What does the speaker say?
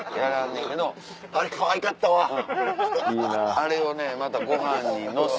あれをねまたご飯にのせて。